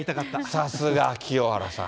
さすが清原さん。